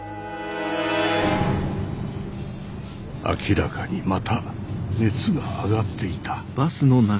明らかにまた熱が上がっていた。